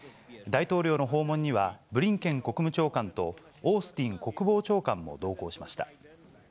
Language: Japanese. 大統領の訪問には、ブリンケン国務長官とオースティン国防長官も同行しました。